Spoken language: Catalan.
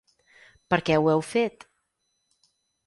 Per què ho heu fet?